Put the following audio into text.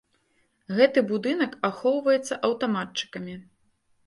Гэты будынак ахоўваецца аўтаматчыкамі.